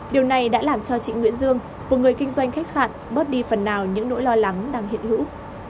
điều này đã làm cho chị nguyễn dương một người kinh doanh khách sạn bớt đi phần nào những nỗi lo lắng đang hiện hữu